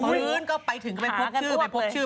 มื้อนก็ไปถึงไปพบชื่อ